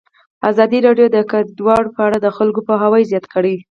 ازادي راډیو د کډوال په اړه د خلکو پوهاوی زیات کړی.